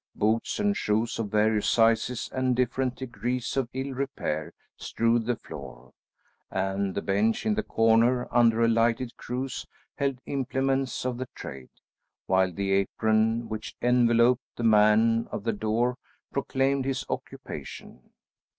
Boots and shoes of various sizes and different degrees of ill repair strewed the floor, and the bench in the corner under a lighted cruzie held implements of the trade, while the apron which enveloped the man of the door proclaimed his occupation.